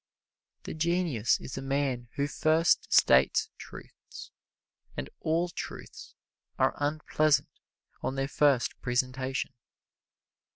The genius is a man who first states truths; and all truths are unpleasant on their first presentation.